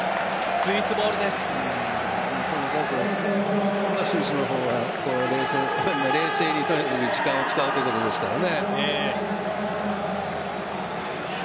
スイスの方はとにかく冷静に時間を使うということですからね。